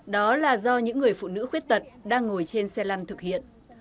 đó là do những người phụ nữ khuyết tật đang ngồi trên xe lăn thực hiện